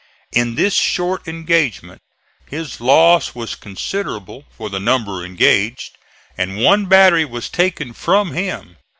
In this short engagement his loss was considerable for the number engaged, and one battery was taken from him.